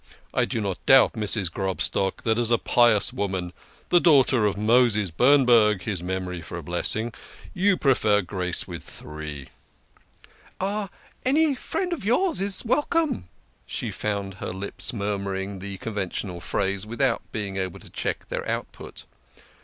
I do not doubt, Mrs. Grobstock, that as a pious woman, the daughter of Moses Bernberg (his memory for a blessing), you prefer grace with three." "Any friend of yours is welcome !" She found her lips murmuring the conventional phrase without being able to check their output.